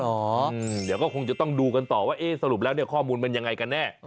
เดี๋ยวก็คงจะต้องดูกันต่อว่าเอ๊ะสรุปแล้วเนี่ยข้อมูลมันยังไงกันแน่